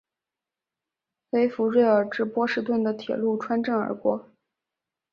黑弗瑞尔至波士顿的铁路穿镇而过。